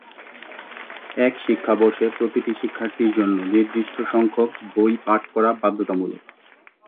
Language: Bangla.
এক শিক্ষাবর্ষে প্রতিটি শিক্ষার্থীর জন্য নির্দিষ্ট সংখ্যক বই পাঠ করা বাধ্যতামূলক।